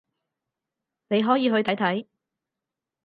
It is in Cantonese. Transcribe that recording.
你可以去睇睇